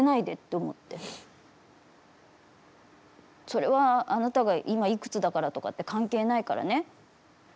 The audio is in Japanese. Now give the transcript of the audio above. それは、あなたが今いくつだからとかって関係ないからね。